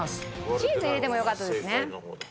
チーズ入れてもよかったですね。